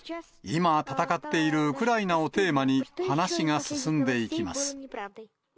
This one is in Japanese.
今戦っているウクライナをテーマに、話が進んでいきます。